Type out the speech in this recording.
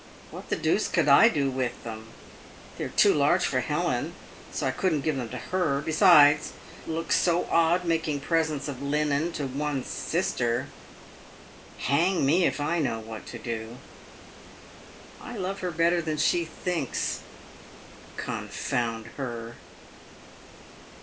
"What the deuce could I do with them ? They are too large for Helen, so I couldn't give them to her — be sides, it looks so odd making presents of linen to one's sister. Hang me, if I know what to do ! I love her better than she thinks — con found her!"